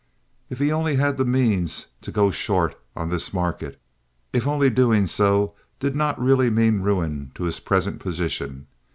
If only he had the means "to go short" on this market! If only doing so did not really mean ruin to his present position.